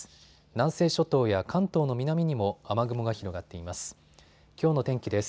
南西諸島や関東の南にも雨雲が広がっています。